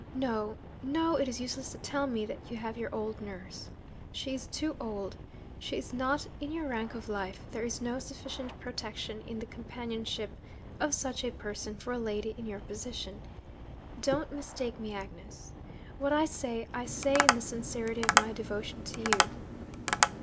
No! no! it is useless to tell me that you have your old nurse. She is too old; she is not in your rank of life there is no sufficient protection in the companionship of such a person for a lady in your position. Don't mistake me, Agnes! what I say, I say in the sincerity of my devotion to you.'